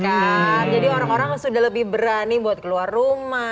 jadi orang orang sudah lebih berani buat keluar rumah